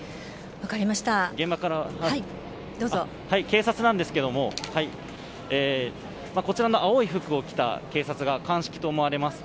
警察なんですけれどもこちらの青い服を着た警察が鑑識と思われます。